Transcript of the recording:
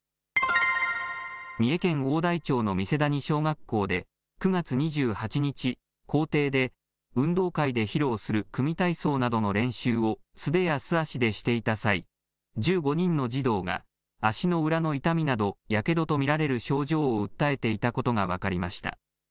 三重県おおだい町の三瀬谷小学校で９月２８日、校庭で運動会で披露する組み体操などの練習を素手や素足でしていた際１５人の児童が足の裏の痛みなどやけどと見られる症状を訴えていたことが分かりました。